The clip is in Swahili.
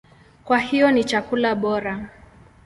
Kwa hiyo ni chakula bora.